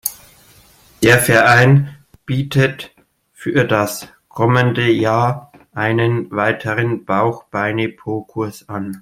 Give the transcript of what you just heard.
Der Verein bietet für das kommende Jahr einen weiteren Bauch-Beine-Po-Kurs an.